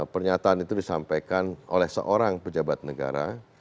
pernyataan itu disampaikan oleh seorang pejabat negara